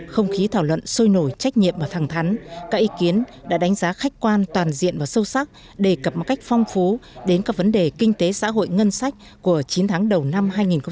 không khí thảo luận sôi nổi trách nhiệm và thẳng thắn các ý kiến đã đánh giá khách quan toàn diện và sâu sắc đề cập một cách phong phú đến các vấn đề kinh tế xã hội ngân sách của chín tháng đầu năm hai nghìn một mươi chín